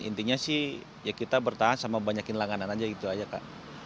intinya sih ya kita bertahan sama banyakin langganan aja gitu aja kak